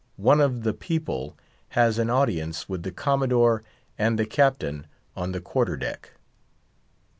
ONE OF "THE PEOPLE" HAS AN AUDIENCE WITH THE COMMODORE AND THE CAPTAIN ON THE QUARTER DECK.